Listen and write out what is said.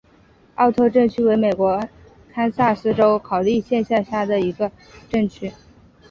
奥特镇区为美国堪萨斯州考利县辖下的镇区。